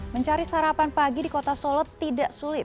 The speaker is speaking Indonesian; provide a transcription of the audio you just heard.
mencari sarapan pagi di kota solo tidak sulit